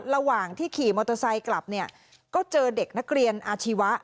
ระหว่างที่ขี่มอเตอร์ไซค์กลับเนี่ยก็เจอเด็กนักเรียนอาชีวะ